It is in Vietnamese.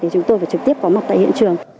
chúng tôi phải trực tiếp có mặt tại hiện trường